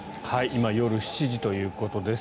今夜７時ということです。